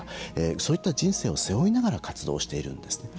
そういった人生を背負いながら活動をしているんです。